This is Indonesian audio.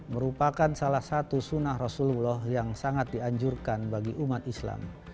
merupakan salah satu sunnah rasulullah yang sangat dianjurkan bagi umat islam